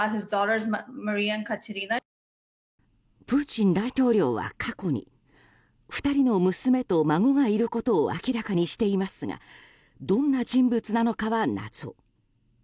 プーチン大統領は過去に２人の娘と孫がいることを明らかにしていますがどんな人物なのかは謎。